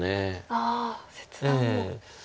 ああ切断も。